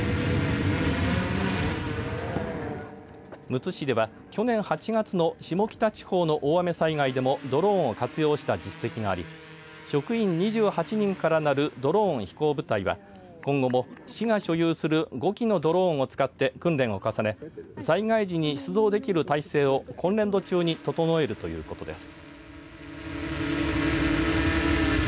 むつ市では去年８月の下北地方の大雨災害でもドローンを活用した実績があり職員２８人からなるドローン飛行部隊は今後も市が所有する５機のドローンを使って訓練を重ねて災害時に出動できる体制を今年度中に整えるということです。